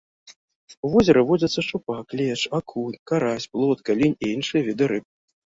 У возеры водзяцца шчупак, лешч, акунь, карась, плотка, лінь і іншыя віды рыб.